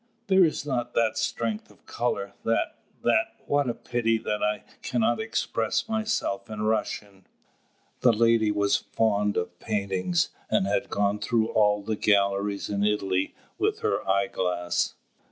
There is not that strength of colour, that that What a pity that I cannot express myself in Russian." The lady was fond of paintings, and had gone through all the galleries in Italy with her eye glass.